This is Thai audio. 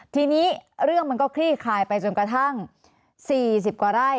ทีนี้เรื่องมันก็คลี่คลายไปจนกระทั่ง๔๐กว่าไร่